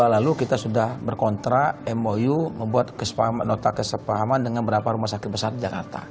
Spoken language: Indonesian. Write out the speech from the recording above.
dua ribu dua puluh dua lalu kita sudah berkontrak mou membuat nota kesepahaman dengan beberapa rumah sakit besar jakarta